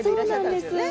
そうなんです